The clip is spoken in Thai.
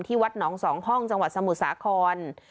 ที่วัดหนองสองห้องจังหวัดสมุสาคร